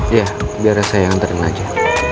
iya biar saya yang anterin aja